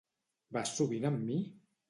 Vas sovint amb mi?